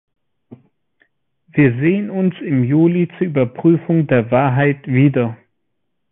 Wir sehen uns im Juli zur Überprüfung der Wahrheit wieder.